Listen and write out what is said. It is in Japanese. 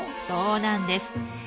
そうなんです。